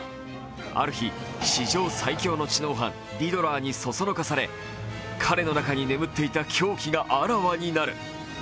ある日、史上最強の知能犯リドラーにそそのかされ彼の中に眠っていた狂気があらわになる。